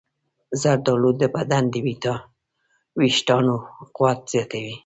زردالو د بدن د ویښتانو قوت زیاتوي.